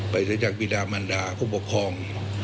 ไปจากบิดามัณฑาผู้ปกครอง